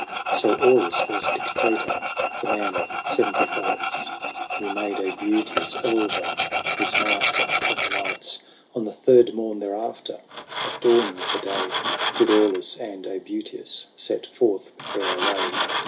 IX. So Aulus was Dictator, The man of seventy fights ; BATTLE OF THE LAKE REGILLUS. 103 He made JEbutius Elva His Master of the Knights. On the third morn thereafter, At dawning of the day, Did Aulus and ^butius Set forth with their array.